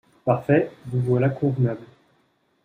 Parfait ! vous voilà convenable…